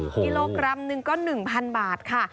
กิโลกรัมหนึ่งก็๑๐๐บาทค่ะ